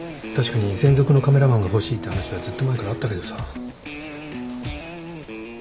確かに専属のカメラマンが欲しいって話はずっと前からあったけどさ。